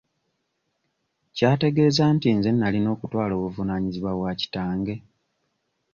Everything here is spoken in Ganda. Ky'ategeeza nti nze nnalina okutwala obuvunaanyizibwa bwa kitange?